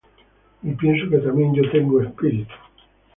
y pienso que también yo tengo Espíritu de Dios.